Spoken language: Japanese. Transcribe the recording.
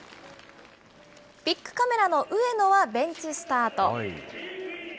ビックカメラの上野はベンチスタート。